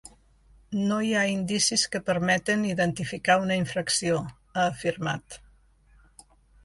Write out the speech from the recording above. “No hi ha indicis que permeten identificar una infracció”, ha afirmat.